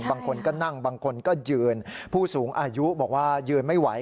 บางคนก็นั่งบางคนก็ยืนผู้สูงอายุบอกว่ายืนไม่ไหว